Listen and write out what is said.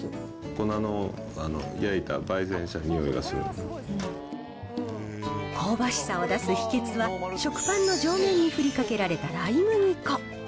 粉の焼いた、香ばしさを出す秘けつは、食パンの上面に振りかけられたライ麦粉。